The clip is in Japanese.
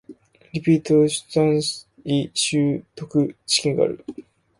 リポート、単位習得試験がある